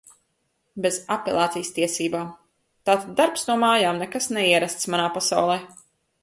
Bez apelācijas tiesībām. Tātad darbs no mājām – nekas neierasts manā pasaulē.